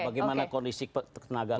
bagaimana kondisi tenaga kita